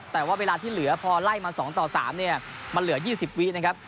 แต่ว่าเวลาที่เหลือพอไล่มา๒ต่อ๓เนี่ยมันเหลือ๒๐วินะครับ